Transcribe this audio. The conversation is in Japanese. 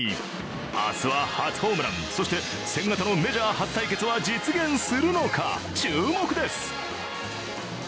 明日は初ホームラン、そして千賀とのメジャー初対決は実現するのか、注目です。